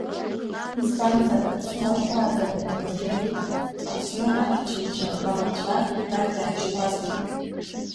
Избанзар, Ԥсоу аҳәаа дара рнапаҿы иҟан, Аԥсны ахьчаҩцәа, ҳаӷацәа арахь иаарышьҭуазма?